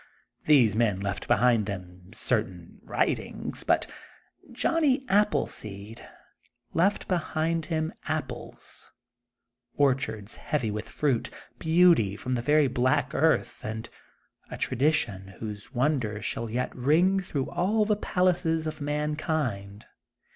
These men left behind them certain writings, but Johnny Appleseed ^ 8 THE GOLDEN BOOK OF SPRINGFIELD left behind him apples^ orchards heavy with fruit, beauty from the very black earth, and a tradition whose wonder shall yet rin^ through all the palaces of mankind.